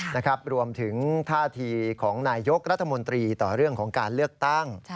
นะครับรวมถึงท่าทีของนายยกรัฐมนตรีต่อเรื่องของการเลือกตั้ง